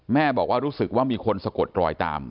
แม่บอกว่ารู้สึกว่ามีคนสะกดรอยตาม